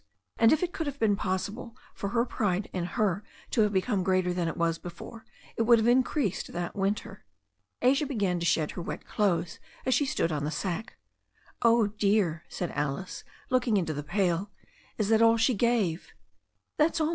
And, if it could have been possible for her pride in her to have become greater than it was before, it would have increased that winter. Asia began to shed her wet clothes as she stood on the sack. "Oh, dear," said Alice, looking into the pail, "is that all she gave?" "That's all.